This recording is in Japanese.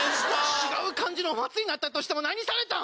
違う感じのお祭りになったとしても何されたん？